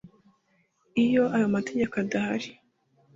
Iyo ayo mategeko adahari